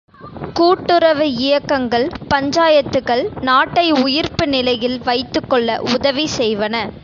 கூட்டுறவு இயக்கங்கள், பஞ்சாயத்துக்கள் நாட்டை உயிர்ப்பு நிலையில் வைத்துக் கொள்ள உதவி செய்வன.